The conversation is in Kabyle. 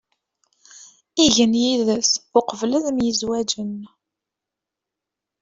Igen yid-s uqbel ad myezwaǧen.